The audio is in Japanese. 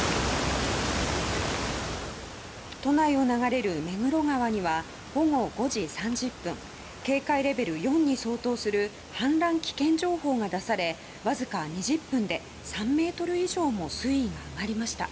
都内を流れる目黒川には午後５時３０分警戒レベル４に相当する氾濫危険情報が出されわずか２０分で３ｍ以上も水位が上がりました。